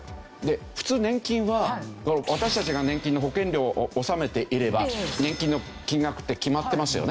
普通年金は私たちが年金の保険料を納めていれば年金の金額って決まってますよね。